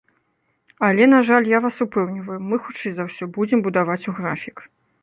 Але, на жаль, я вас упэўніваю, мы, хутчэй за ўсё, будзем будаваць у графік.